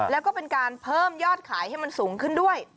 แล้วก็เป็นการเพิ่มยอดขายให้มันสูงขึ้นด้วย